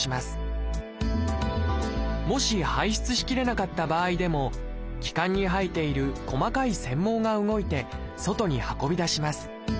もし排出しきれなかった場合でも気管に生えている細かい繊毛が動いて外に運び出します。